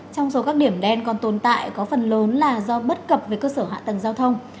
trong số các điểm đen còn tồn tại có phần lớn là do bất cập về cơ sở hạ tầng giao thông